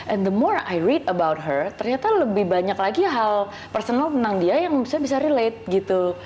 and the more i read abourhere ternyata lebih banyak lagi hal personal tentang dia yang bisa relate gitu